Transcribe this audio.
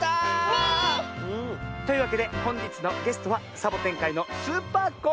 というわけでほんじつのゲストはサボテンかいのスーパー